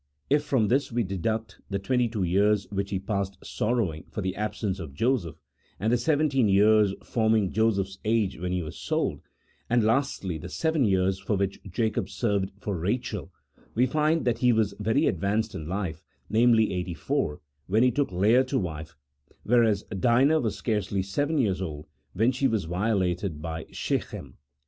If from this we deduct the twenty two years which he passed sorrowing for the absence of Joseph and the seven teen years forming Joseph's age when he was sold, and, lastly, the seven years for which Jacob served for Rachel, we find that he was very advanced in life, namely, eighty four, when he took Leah to wife, whereas Dinah was scarcely seven years old when she was violated by Shechem.